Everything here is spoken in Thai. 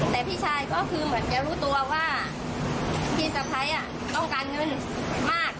แต่พี่ชายก็คือเหมือนจะรู้ตัวว่าพี่สะพ้ายต้องการเงินมาก